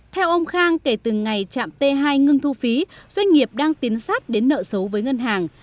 theo ông khang kể từ ngày trạm t hai ngưng thu phí doanh nghiệp đang tiến sát đến nợ xấu với ngân hàng